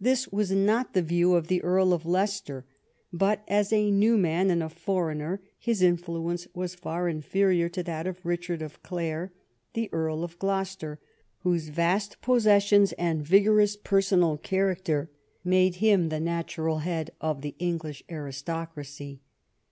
This was not the view of the Earl of Leicester, but as a new ma!i and a foreigner his influence was far inferior to that of Richard of Clare, the Earl of Gloucester, whose vast possessions and vigorous personal character made II EDWARD AND THE B A RONS' WARS 29 him tlie natural head of the English aristocracy.